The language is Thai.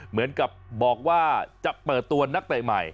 เหมือนกับบอกว่าจะเปิดตัวนักเตะใหม่